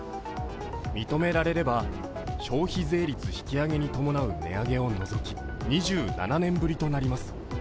認められれば消費税引き上げに伴う値上げを除き２７年ぶりとなります。